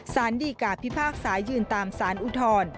สารดีกาพิพากษายืนตามสารอุทธร